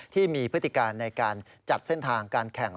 พฤติการในการจัดเส้นทางการแข่ง